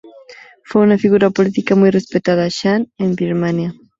Fue una figura política muy respetada Shan en Birmania.